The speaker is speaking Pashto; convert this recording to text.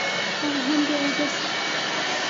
هغه هم بې اوداسه.